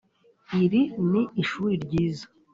iri ni ishuri ryiza.